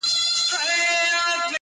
د آتشي غرو د سکروټو د لاوا لوري.